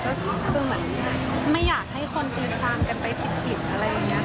ก็คือเหมือนไม่อยากให้คนตีความกันไปผิดอะไรอย่างนี้ค่ะ